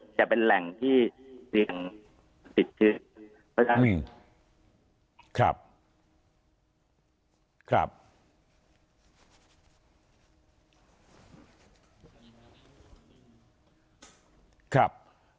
จะเป็นแหล่งที่เสียงติดขึ้นครับครับ